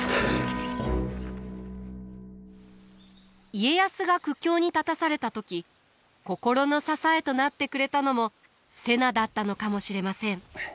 家康が苦境に立たされた時心の支えとなってくれたのも瀬名だったのかもしれません。